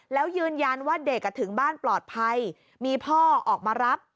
แล้วยืนยันว่าเด็กถึงบ้านปลอดภัยมีพ่อออกมารับ